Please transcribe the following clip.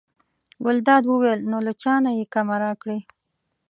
ګلداد وویل: نو له چا نه یې کمه راکړې.